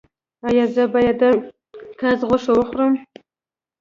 ایا زه باید د قاز غوښه وخورم؟